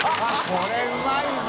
これうまいぜ。